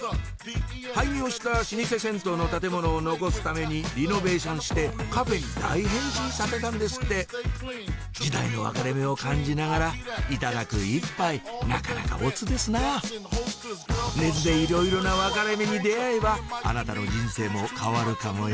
廃業した老舗銭湯の建物を残すためにリノベーションしてカフェに大変身させたんですって時代の分かれ目を感じながらいただく１杯なかなか乙ですなぁ根津でいろいろな分かれ目に出合えばあなたの人生も変わるかもよ